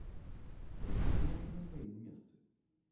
Прэзідыум на сваім месцы.